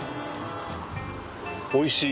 おいしい。